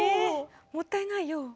もったいないよ。